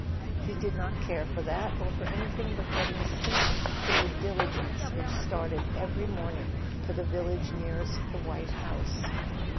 He did not care for that, or for anything but getting a seat in the diligence which started every morning for the village nearest the white house.